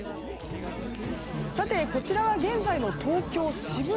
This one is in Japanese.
こちらは現在の東京・渋谷。